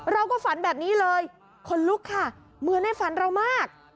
เราก็ฝันแบบนี้เลยคนลุกค่ะเหมือนในฝันเรามาก